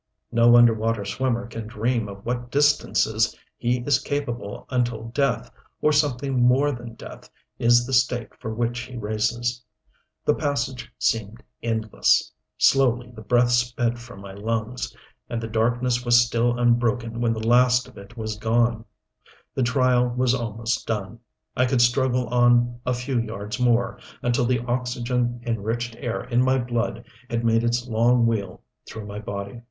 No under water swimmer can dream of what distances he is capable until death, or something more than death, is the stake for which he races. The passage seemed endless. Slowly the breath sped from my lungs. And the darkness was still unbroken when the last of it was gone. The trial was almost done. I could struggle on a few yards more, until the oxygen enriched air in my blood had made its long wheel through my body.